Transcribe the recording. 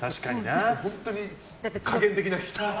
本当に加減きかない人。